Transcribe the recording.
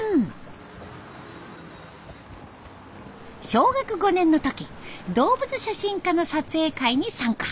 小学５年の時動物写真家の撮影会に参加。